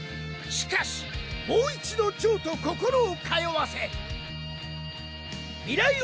しかしもう一度ジョーと心を通わせ未来